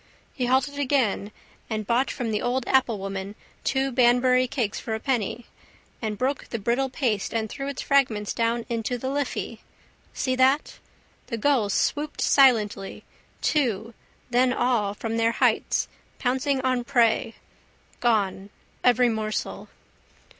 He halted again and bought from the old applewoman two Banbury cakes for a penny and broke the brittle paste and threw its fragments down into the Liffey. See that? The gulls swooped silently, two, then all from their heights, pouncing on prey. Gone. Every morsel.